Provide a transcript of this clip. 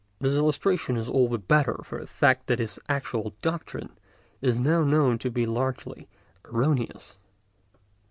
This illustration is all the better for the fact that his actual doctrine is now known to be largely erroneous.